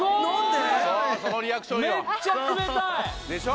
そのリアクションいいわでしょ